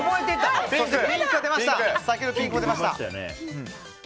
先ほどピンクが出ました。